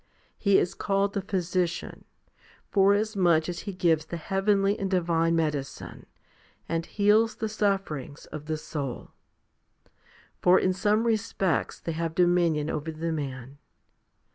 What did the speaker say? He is called the Physician, forasmuch as He gives the heavenly and divine medicine, and heals the sufferings of the soul ; for in some respects they have dominion over the man.